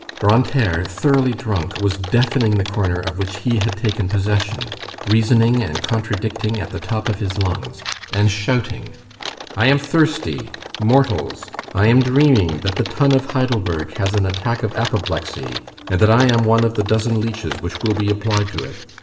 Grantaire, thoroughly drunk, was deafening the corner of which he had taken possession, reasoning and contradicting at the top of his lungs, and shouting:— "I am thirsty. Mortals, I am dreaming: that the tun of Heidelberg has an attack of apoplexy, and that I am one of the dozen leeches which will be applied to it.